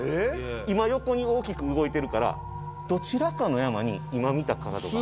今横に大きく動いてるからどちらかの山に今見たカードが。